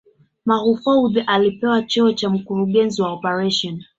Mahfoudhi alipewa cheo cha Mkurugenzi wa Operesheni